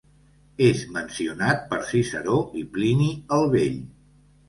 És mencionat per Ciceró i Plini el Vell.